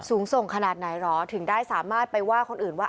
สูงส่งขนาดไหนเหรอถึงได้สามารถไปว่าคนอื่นว่า